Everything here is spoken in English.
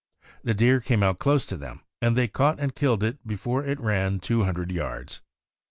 The deer came out close to them, and they caught and killed it before it ran two hundred yards.